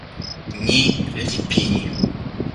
ni li pini.